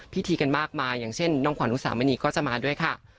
พิธีกันมากมายอย่างเช่นน้องขวัญอุสามณีก็จะมาด้วยค่ะ